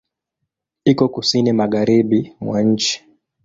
Iko Kusini magharibi mwa nchi.